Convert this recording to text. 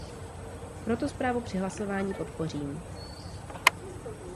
Proto zprávu při hlasování podpořím.